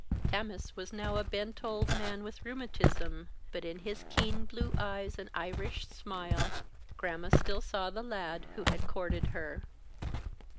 Tammas was now a bent old man with rheumatism, but in his keen blue eyes and Irish smile, Gramma still saw the lad who had courted her.